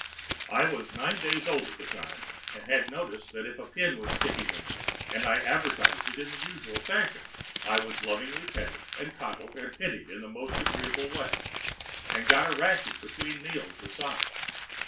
I was nine days old at the time, and had noticed that if a pin was sticking in me and I advertised it in the usual fashion, I was lovingly petted and coddled and pitied in a most agreeable way and got a ration between meals besides.